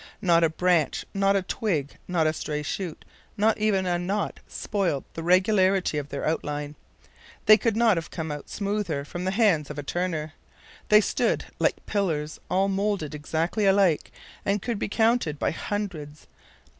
Not a branch, not a twig, not a stray shoot, not even a knot, spoilt the regularity of their outline. They could not have come out smoother from the hands of a turner. They stood like pillars all molded exactly alike, and could be counted by hundreds.